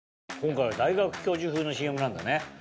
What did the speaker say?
今回は大学教授風のＣＭなんだね。